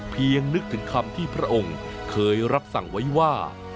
นึกถึงคำที่พระองค์เคยรับสั่งไว้ว่า